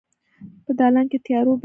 په دالان کې د تیارو بلا بیده وه